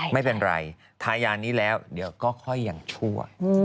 ไม่เป็นไรทายานี้แล้วเดี๋ยวก็ค่อยยังชั่ว